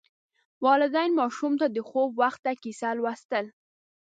والدین ماشوم ته د خوب وخت کیسه لوستل.